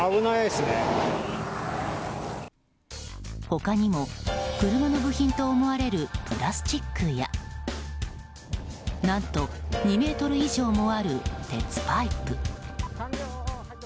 他にも、車の部品と思われるプラスチックや何と２ｍ以上もある鉄パイプ。